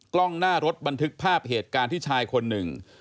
กล้องหน้ารถบันทึกภาพเหตุการณ์ที่ชายคนหนึ่ง